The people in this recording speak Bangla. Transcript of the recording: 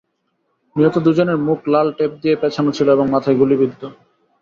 নিহত দুজনের মুখ লাল টেপ দিয়ে পেঁচানো ছিল এবং মাথায় গুলিবিদ্ধ।